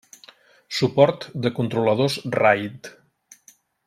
Suport de controladors RAID.